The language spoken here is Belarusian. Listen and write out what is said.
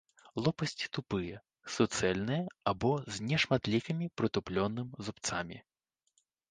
Лопасці тупыя, суцэльныя або з нешматлікімі прытупленым зубцамі.